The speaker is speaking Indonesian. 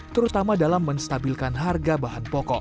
terutama dalam menstabilkan harga bahan pokok